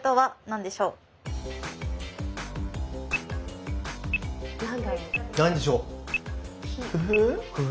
何でしょう？工夫？